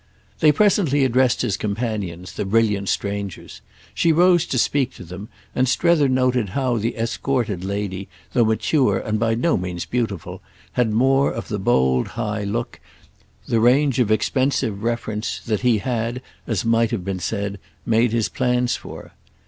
They presently addressed his companion, the brilliant strangers; she rose to speak to them, and Strether noted how the escorted lady, though mature and by no means beautiful, had more of the bold high look, the range of expensive reference, that he had, as might have been said, made his plans for.